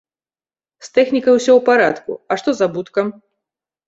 З тэхнікай усё ў парадку, а што з абуткам?